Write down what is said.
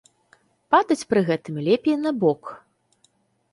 Падаць пры гэтым лепей на бок.